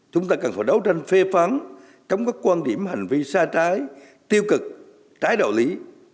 chúng ta cần phải đấu tranh phê phán cấm các quan điểm hành vi sai trái tiêu cực trái đạo lý